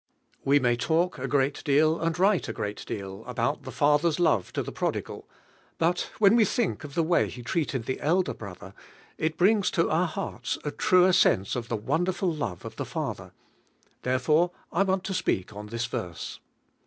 u , may tali a greaJ Seal, and write a great deal, about the father's love te the prodigal, but when we think of the way he treated the elder brother, it brings lo our hearts a truer sense of the wonderful love of the father; therefore I waul t» speal; on Ibis verse.